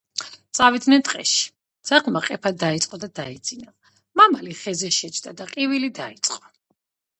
წავიდნენ ტყეში. ძაღლმა ყეფა დაიწყო და დაეძინა. მამალი ხეზე შეჯდა და ყივილი დაიწყო.